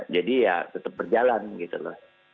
jadi ya tetap berjalan gitu loh